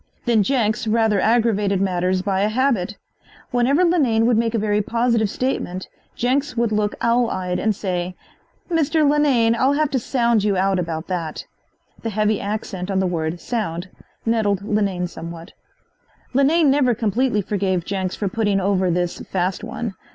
Then Jenks rather aggravated matters by a habit. Whenever Linane would make a very positive statement Jenks would look owl eyed and say: "Mr. Linane, I'll have to sound you out about that." The heavy accent on the word "sound" nettled Linane somewhat. Linane never completely forgave Jenks for putting over this "fast one."